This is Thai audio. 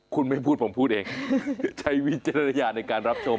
คุณไม่พูดผมพูดเองใช้วิจารณญาณในการรับชม